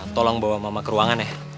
tolong bawa mama ke ruangan ya